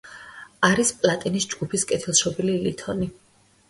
არის პლატინის ჯგუფის კეთილშობილი ლითონი.